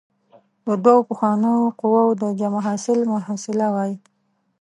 د دوو پخوانیو قوو د جمع حاصل محصله وايي.